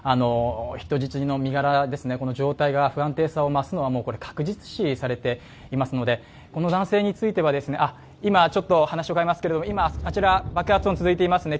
人質の身柄の状態が不安定さが増すのは確実視されていますので、この男性については今、あちら、爆発音が続いていますね。